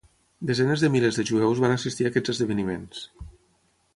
Desenes de milers de jueus van assistir a aquests esdeveniments.